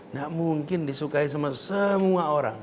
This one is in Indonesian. nggak mungkin disukai sama semua orang